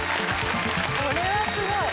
これはすごい！